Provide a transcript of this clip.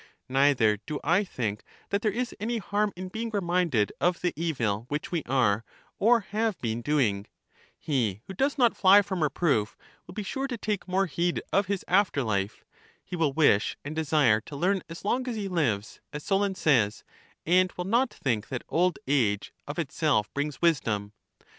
Neither do I think that there is any harm in being reminded of the evil which we are, or have been, doing : he who does not fly from reproof will be sure to take more heed of his after life; he will wish and desire to learn as long as he 100 LACHES lives, as Solon says, and will not think that old age of itself brings wisdom.